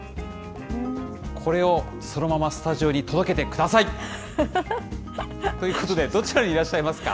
これをそのままスタジオに届けてください。ということで、どちらにいらっしゃいますか。